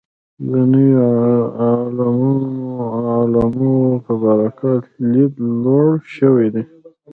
د نویو علومو په برکت لید لوړ شوی دی.